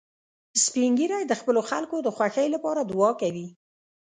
سپین ږیری د خپلو خلکو د خوښۍ لپاره دعا کوي